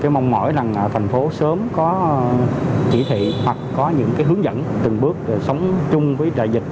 mong mỏi rằng thành phố sớm có chỉ thị hoặc có những hướng dẫn từng bước sống chung với đại dịch